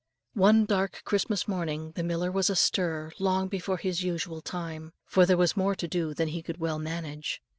One dark Christmas morning the miller was astir long before his usual time, for there was more to do than he could well manage.